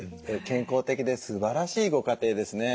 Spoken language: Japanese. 健康的ですばらしいご家庭ですね。